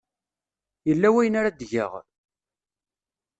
Yella wayen ara d-geɣ?